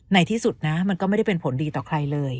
ในที่สุดนะมันก็ไม่ได้เป็นผลดีต่อใครเลย